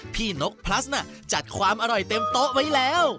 นกพลัสน่ะจัดความอร่อยเต็มโต๊ะไว้แล้ว